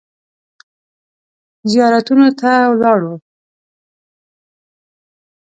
زیارتونو ته ولاړو.